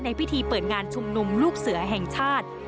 พิธีเปิดงานชุมนุมลูกเสือแห่งชาติ